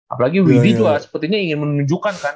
apalagi widhi juga sepertinya ingin menunjukkan kan